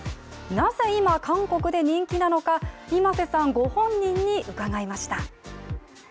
なぜ今、韓国で人気なのかｉｍａｓｅさんご本人に伺いました。